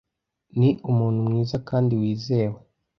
Ni umuntu mwiza kandi wizewe.